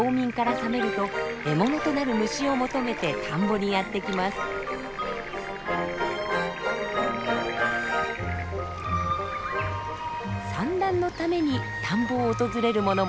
産卵のために田んぼを訪れるものもいます。